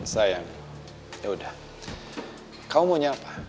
sayang ya udah